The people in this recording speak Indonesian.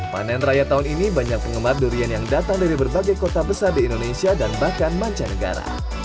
panen raya tahun ini banyak penggemar durian yang datang dari berbagai kota besar di indonesia dan bahkan mancanegara